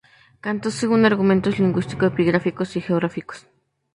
Canto, según argumentos lingüístico-epigráficos y geográficos.